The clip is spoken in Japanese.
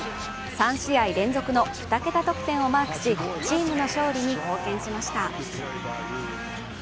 ３試合連続の２桁得点をマークしチームの勝利に貢献しました。